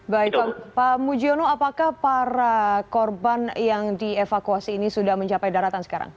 baik pak mujiono apakah para korban yang dievakuasi ini sudah mencapai daratan sekarang